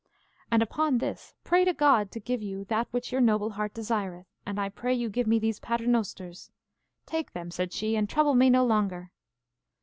And upon this, pray to God to give you that which your noble heart desireth, and I pray you give me these paternosters. Take them, said she, and trouble me no longer.